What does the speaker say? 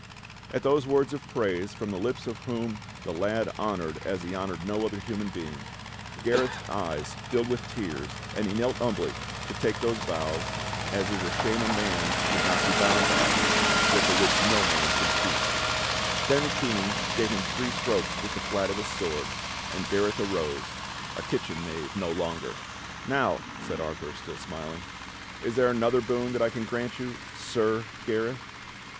At those words of praise from the lips of him whom the lad hon ored as he honored no other human being, Gareth's eyes filled with tears and he knelt humbly to take those vows "as is a shame a man should not be bound by, yet the which no man can keep"; then the King gave him three strokes with the flat of his sword, and Gareth arose — a kitchen knave no longer. "Now," said Arthur, still smiling, "is there another boon that I can grant you, SIR Gareth.?"